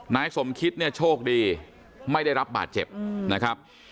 นายสมคิตเนี่ยโชคดีไม่ได้รับบาดเจ็บนะครับ